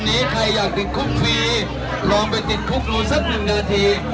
อันนี้ให้ใครที่จินคุกฟรีลองไปติดคุกลงสัก๑นาที